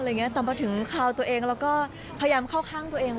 อะไรอย่างนี้ต่ำไปถึงคราวตัวเองแล้วก็พยายามเข้าข้างตัวเอง